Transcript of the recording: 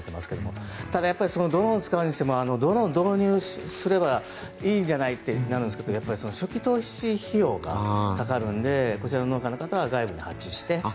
ただ、ドローンを使うにしてもドローンを導入すればいいんじゃない？ってなりますが初期投資費用がかかるのでこちらの農家の方は外部に発注して。